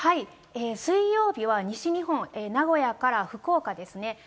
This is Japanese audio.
水曜日は西日本、名古屋から福岡ですね。